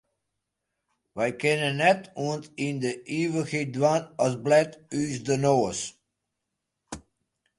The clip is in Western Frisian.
Wy kinne net oant yn de ivichheid dwaan as blet ús de noas.